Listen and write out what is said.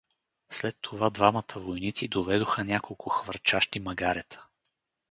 След това двамата войници доведоха няколко хвърчащи магарета.